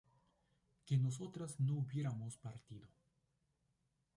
que nosotras no hubiéramos partido